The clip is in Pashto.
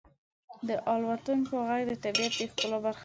• د الوتونکو ږغ د طبیعت د ښکلا برخه ده.